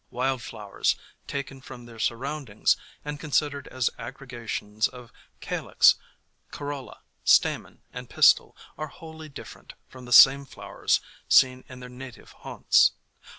Wild flowers taken from their surround ings and considered as aggregations of calyx, corolla, stamen and pistil are wholly dif ferent from the same flowers seen in their native haunts.